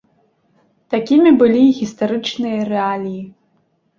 Такімі былі гістарычныя рэаліі.